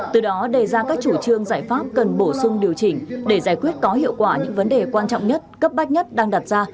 từ đó đề ra các chủ trương giải pháp cần bổ sung điều chỉnh để giải quyết có hiệu quả những vấn đề quan trọng nhất cấp bách nhất đang đặt ra